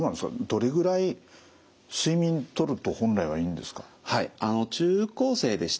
どれぐらい睡眠とると本来はいいんですか？